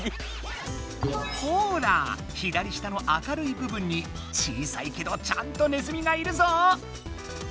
ほら左下の明るいぶぶんに小さいけどちゃんとネズミがいるぞ！